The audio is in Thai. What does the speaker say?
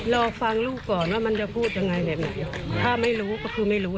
รอฟังลูกก่อนว่ามันจะพูดยังไงแบบไหนถ้าไม่รู้ก็คือไม่รู้